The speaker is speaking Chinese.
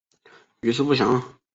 余事不详。